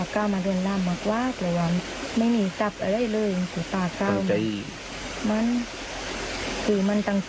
คือตั้งแต่วันไปคงกลักระเปลูกเชื้น